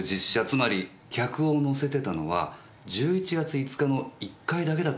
つまり客を乗せてたのは１１月５日の１回だけだったんです。